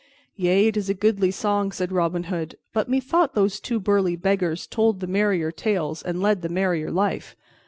"Yea, it is a goodly song," said Robin Hood, "but methought those two burly beggars told the merrier tales and led the merrier life.